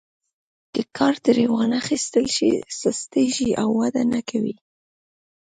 که کار ترې وانخیستل شي سستیږي او وده نه کوي.